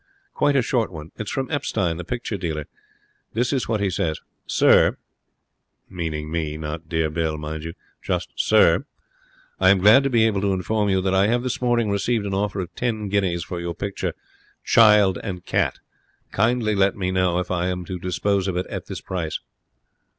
'Quite a short one. It is from Epstein, the picture dealer. This is what he says. "Sir," meaning me, not "Dear Bill," mind you just "Sir." "I am glad to be able to inform you that I have this morning received an offer of ten guineas for your picture, 'Child and Cat'. Kindly let me know if I am to dispose of it at this price."'